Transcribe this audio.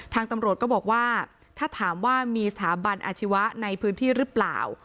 ทางตำรวจก็บอกว่าถ้าถามว่ามีสถาบันอาชีวะในพื้นที่หรือเปล่า